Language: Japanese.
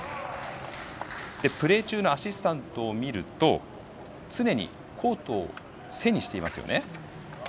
プレー中のアシスタントを見ると常にコートを背にしていますよね。